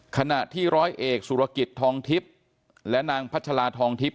ขณะที่ร้อยเอกสุรกิจทองทิพย์และนางพัชราทองทิพย